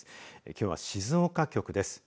きょうは静岡局です。